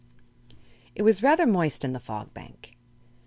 It was rather moist in the Fog Bank.